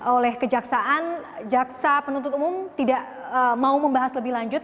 oleh kejaksaan jaksa penuntut umum tidak mau membahas lebih lanjut